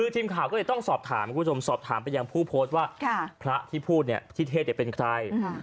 ทีมข่าวก็จะต้องถามมาก่อนคุณทรวมเชิ้มถ้าที่ผู้ที่ข่าวคนที่พูดจะเป็นใคร